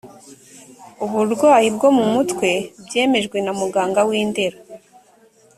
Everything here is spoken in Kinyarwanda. uburwayi bwo mu mutwe byemejwe na muganga w’i ndera